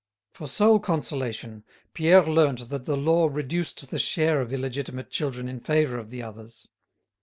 For sole consolation, Pierre learnt that the law reduced the share of illegitimate children in favour of the others.